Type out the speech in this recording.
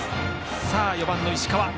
さあ、４番の石川。